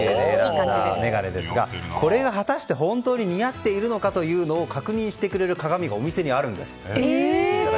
これが果たして本当に似合っているかを確認してくれる鏡がお店にあるんです。